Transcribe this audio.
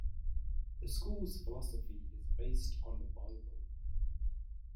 The school's philosophy is based on the Bible.